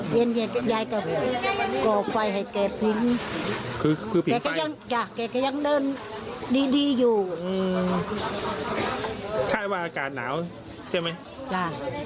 ดีอยู่อืมค่ะว่าอากาศหนาวใช่ไหมค่ะ